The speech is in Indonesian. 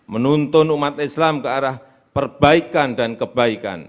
menuntun umat islam ke arah perbaikan dan kebaikan